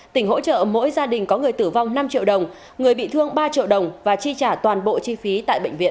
tỉnh hỗ trợ mỗi gia đình có người tử vong năm triệu đồng người bị thương ba triệu đồng và chi trả toàn bộ chi phí tại bệnh viện